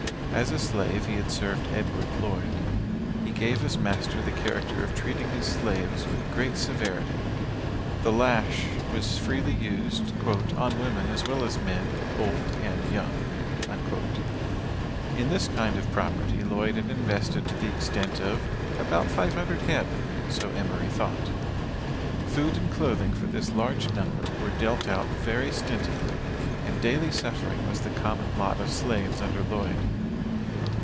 As a slave, he had served Edward Lloyd. He gave his master the character of treating his slaves with great severity. The "lash" was freely used "on women as well as men, old and young." In this kind of property Lloyd had invested to the extent of "about five hundred head," so Emory thought. Food and clothing for this large number were dealt out very stintedly, and daily suffering was the common lot of slaves under Lloyd.